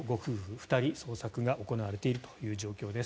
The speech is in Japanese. ２人捜索が行われているという状況です。